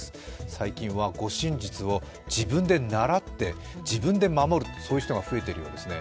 最近は護身術を自分で習って自分で守る、そういう人が増えているようですね。